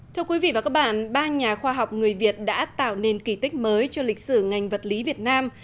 thưa quý vị và các bạn ba nhà khoa học người việt đã tạo nên kỳ tích mới cho lịch sử ngành vật lý việt nam